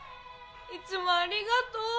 いつもありがとう。